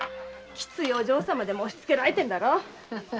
きついお嬢様押しつけられたんだろ。